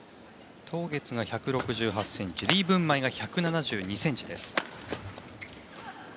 ト・ゲツが１６８ｃｍでリ・ブンマイが１７２ｃｍです。